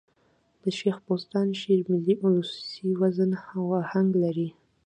د شېخ بُستان شعر ملي اولسي وزن او آهنګ لري.